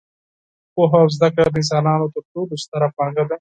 پوهه او زده کړه د انسانانو تر ټولو ستره پانګه ده.